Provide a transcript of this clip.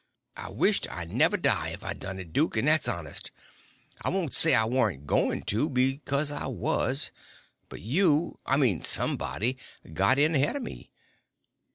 "I wisht I never die if I done it, duke, and that's honest. I won't say I warn't goin' to do it, because I was; but you—I mean somebody—got in ahead o' me."